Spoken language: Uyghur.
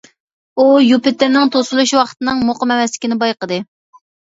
ئۇ يۇپىتېرنىڭ توسۇلۇش ۋاقتىنىڭ مۇقىم ئەمەسلىكىنى بايقىدى.